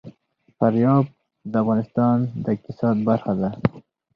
فاریاب د افغانستان د اقتصاد برخه ده.